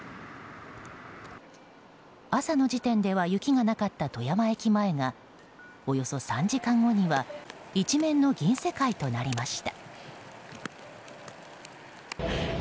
朝の時点では雪がなかった富山駅前がおよそ３時間後には一面の銀世界となりました。